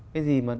cái gì mà được